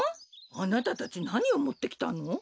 あなたたちなにをもってきたの？